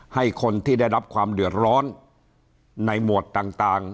ให้คนที่ได้รับความเดือดร้อนในหมวดต่าง